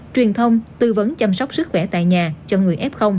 truyền thông tư vấn chăm sóc sức khỏe tại nhà cho người f